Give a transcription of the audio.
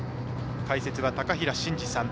解説は高平慎士さん。